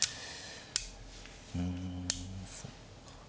うんそっか。